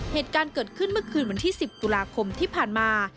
เหตุการณ์เกิดขึ้นเมื่อคืนวันที่๑๐ตุลาคมที่ผ่านมา